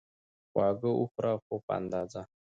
خواږه وخوره، خو په اندازه